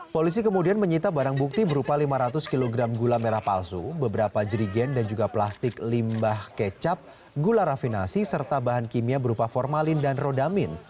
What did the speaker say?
polisi kemudian menyita barang bukti berupa lima ratus kg gula merah palsu beberapa jerigen dan juga plastik limbah kecap gula rafinasi serta bahan kimia berupa formalin dan rodamin